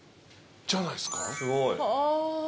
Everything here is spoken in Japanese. じゃないっすか？